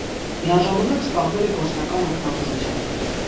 Միաժամանակ զբաղվել է գործնական ակնաբուժությամբ։